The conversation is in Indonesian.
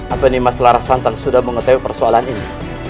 apa nimas larasantang sudah mengetahui persoalan ini